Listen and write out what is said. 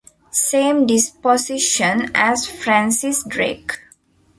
Same disposition as Francis Drake.